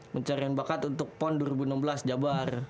mencarian bakat untuk pon dua ribu enam belas jabar